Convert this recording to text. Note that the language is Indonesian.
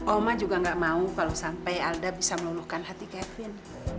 oma juga nggak mau kalau sampai alda bisa meluluhkan hati kevin